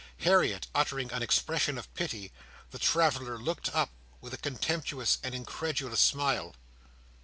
Harriet uttering an expression of pity, the traveller looked up with a contemptuous and incredulous smile.